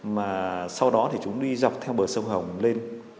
mà sau đó thì chúng đi dọc theo bờ sông hồng lên